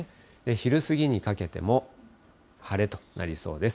昼過ぎにかけても、晴れとなりそうです。